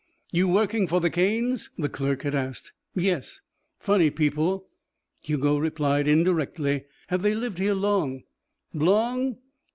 "You working for the Canes?" the clerk had asked. "Yes." "Funny people." Hugo replied indirectly. "Have they lived here long?" "Long?